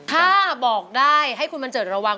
ถ้าบอกได้ให้คุณบันเจิดระวัง